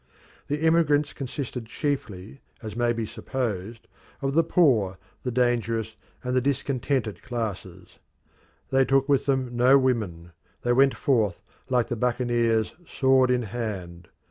The emigrants consisted chiefly, as may be supposed, of the poor, the dangerous, and the discontented classes. They took with them no women; they went forth, like the buccaneers, sword in hand.